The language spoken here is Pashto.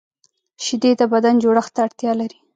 شیدې د بدن جوړښت ته اړتیا لري